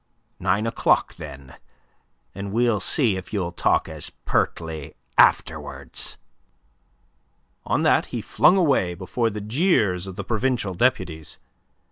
"Nine o'clock, then; and we'll see if you'll talk as pertly afterwards." On that he flung away, before the jeers of the provincial deputies.